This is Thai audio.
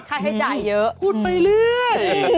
ค่าให้จ่ายเยอะพูดไปเรื่อยอืม